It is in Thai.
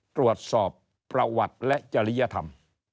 ตรวจสอบประวัติและจริยธรรม